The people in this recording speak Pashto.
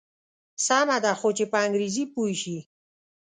سمه ده خو چې په انګریزي پوی شي.